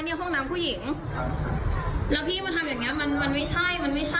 ห้องน้ำผู้หญิงครับแล้วพี่มาทำอย่างเงี้มันมันไม่ใช่มันไม่ใช่